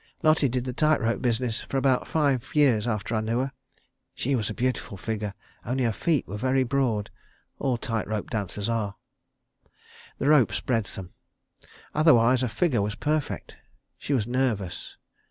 Lotty did the tight rope business for about five years after I knew her. She was a beautiful figure, only her feet were very broad. All tight rope dancers are. The rope spreads them. Otherwise her figure was perfect. She was nervous.